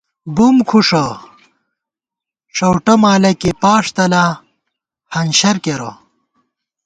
بُم کھُݭہ ݭؤٹہ مالہ کېئی ، پاݭ تلا ہنشر کېرہ